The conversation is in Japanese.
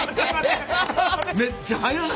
めっちゃ速いな。